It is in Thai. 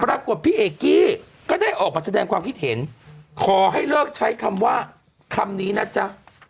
ปรากฏพี่เอกกี้ก็ได้ออกมาแสดงความคิดเห็นขอให้เลิกใช้คำว่าคำนี้นะจ๊ะ